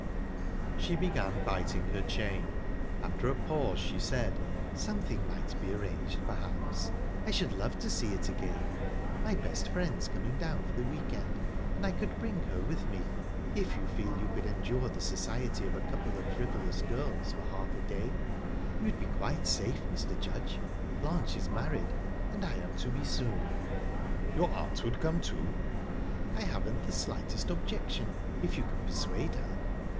She began biting her chain. After a pause, she said: "Something might be arranged, perhaps. I should love to see it again. My best friend's coming down for the week end, and I could bring her with me if you feel you could endure the society of a couple of frivolous girls for half a day. You'd be quite safe, Mr. Judge; Blanche is married, and I am to be soon." "Your aunt would come, too?" "I haven't the slightest objection, if you can persuade her."